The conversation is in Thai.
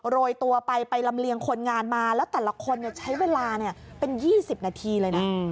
โรยตัวไปไปลำเลียงคนงานมาแล้วแต่ละคนใช้เวลาเป็น๒๐นาทีเลยนะ